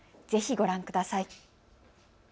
ぜひご覧ください。